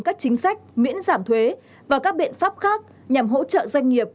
các chính sách miễn giảm thuế và các biện pháp khác nhằm hỗ trợ doanh nghiệp